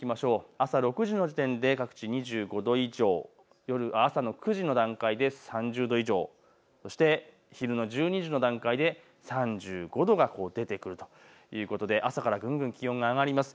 朝６時の時点で各地２５度以上、朝の９時の段階で３０度以上、そして昼の１２時の段階で３５度が出てくるということで朝からぐんぐん気温が上がります。